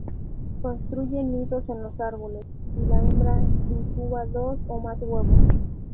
Construyen nidos en los árboles y la hembra incuba dos o más huevos.